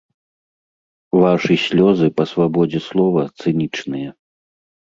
Вашы слёзы па свабодзе слова цынічныя.